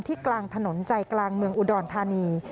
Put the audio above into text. กลางถนนใจกลางเมืองอุดรธานี